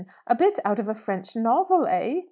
A bit out of a French novel, eh?